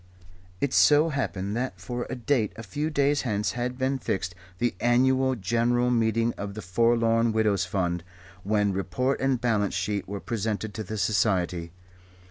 It so happened that for a date a few days hence had been fixed the Annual General Meeting of the Forlorn Widows' Fund, when Report and Balance Sheet were presented to the society.